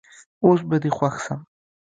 اوس به دي خوښ سم